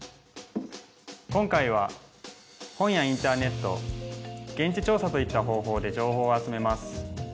今回は本やインターネット現地調査といった方法で情報を集めます。